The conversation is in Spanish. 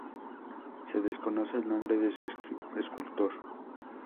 Se desconoce el nombre de su escultor.